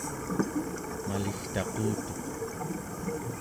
maligtaqutuq